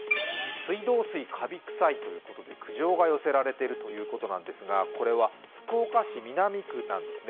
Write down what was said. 水道水かび臭いということで苦情が寄せられているということなんですがこれは福岡市南区なんですね。